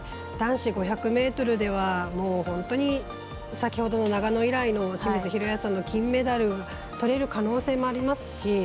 男子５００ｍではもう本当に先ほどの長野以来の清水宏保さんの金メダルとれる可能性もありますし。